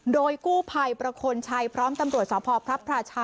โดยกู้ภัยประคลชัยพร้อมตำรวจสพพระพราชา